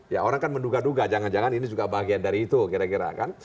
ya orang kan menduga duga jangan jangan ini juga bagian dari itu kira kira kan